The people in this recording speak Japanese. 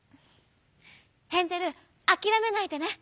ヘンゼルあきらめないでね